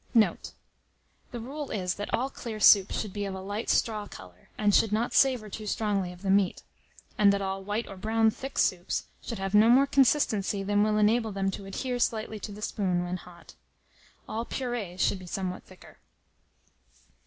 Note. The rule is, that all clear soups should be of a light straw colour, and should not savour too strongly of the meat; and that all white or brown thick soups should have no more consistency than will enable them to adhere slightly to the spoon when hot. All purées should be somewhat thicker.